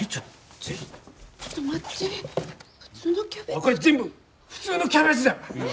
おいこれ全部普通のキャベツだ！